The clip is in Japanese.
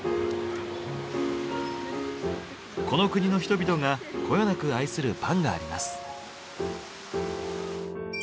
この国の人々がこよなく愛するパンがあります。